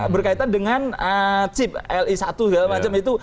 berkaitan dengan chip li satu segala macam itu